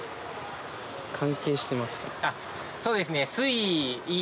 そうですね水位。